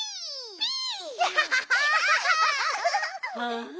ピー！